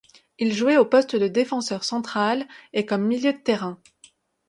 Il jouait au poste de défenseur central et comme milieu de terrain.